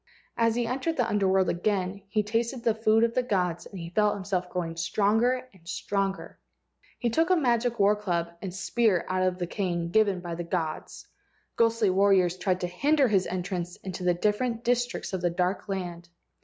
As he entered the Under world he again tasted the food of the gods and he felt himself growing stronger and stronger. He took a magic war club and a spear out of the cane given by the gods. Ghostly warriors tried to hinder his entrance into the different districts of the dark land.